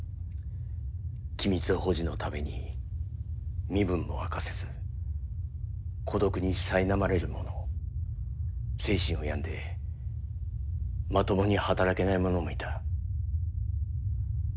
機密保持のために身分も明かせず孤独にさいなまれる者精神を病んでまともに働けない者もいた。